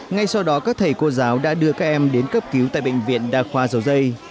ngay sau đó các thầy cô giáo đã đưa các em đến cấp cứu tại bệnh viện đa khoa dầu dây